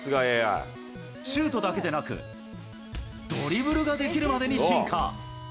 シュートだけでなく、ドリブルができるまでに進化。